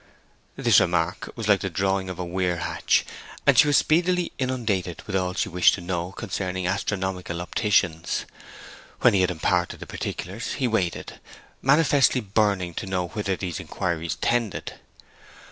This remark was like the drawing of a weir hatch and she was speedily inundated with all she wished to know concerning astronomical opticians. When he had imparted the particulars he waited, manifestly burning to know whither these inquiries tended.